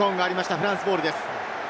フランスボールです。